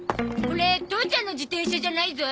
これ父ちゃんの自転車じゃないゾ。